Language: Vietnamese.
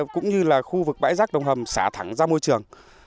cũng như là khu vực bãi rác đồng hầm xả thẳng ra môi trường